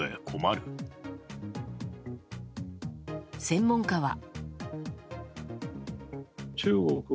専門家は。